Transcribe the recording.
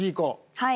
はい。